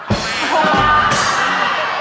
ผมว่า